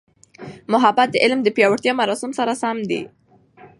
محبت د علم د پیاوړتیا مرام سره سم دی.